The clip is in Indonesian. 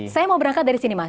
saya mau berangkat dari sini mas